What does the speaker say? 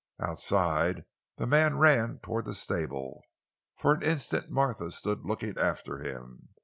Outside, the man ran toward the stable. For an instant Martha stood looking after him.